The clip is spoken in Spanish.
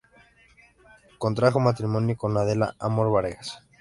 Contrajo matrimonio con Adela Amor Vargas.